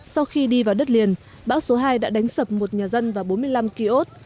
sau khi đi vào đất liền bão số hai đã đánh sập một nhà dân và bốn mươi năm kiosk